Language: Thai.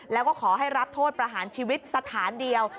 แล้วก็ขอให้รับโทษประหารชีวิตสถานเดียว